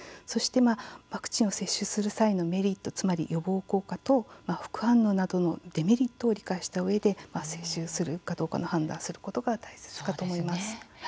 そして、ワクチンをする際のメリット、つまり予防効果と副反応などのデメリットを理解したうえで接種するかどうかの判断をすることが大切かと思います。